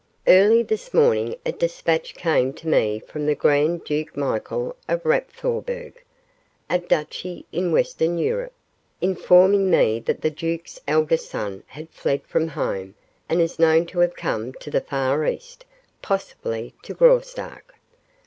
"Early this morning a despatch came to me from the Grand Duke Michael of Rapp Thorberg, a duchy in western Europe, informing me that the duke's eldest son had fled from home and is known to have come to the far east, possibly to Graustark."